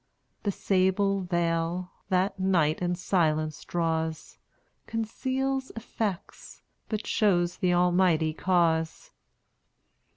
The sable veil, that Night in silence draws, Conceals effects, but shows th' Almighty Cause.